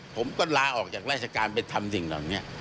ผมก็ลาออกจากราชการไปทำสิ่งเหล่านี้